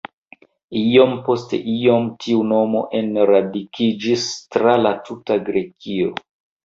Iom post iom tiu nomo enradikiĝis tra la tuta Grekio.